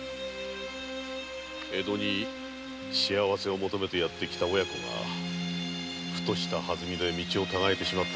江戸に幸せを求めてやって来た親子がふとしたはずみて道を違えてしまった。